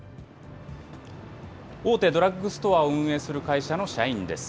大手ドラッグストアを運営する会社の社員です。